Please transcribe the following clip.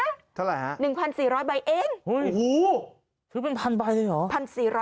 เท่าไหร่ฮะ๑๔๐๐ใบเองโอ้โหซื้อเป็นพันใบเลยเหรอ